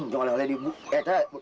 jangan jangan di eh ke bawah budak